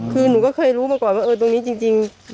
คือหนูก็เคยรู้มาก่อนว่าเออตรงนี้จริง